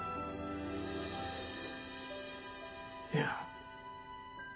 いや。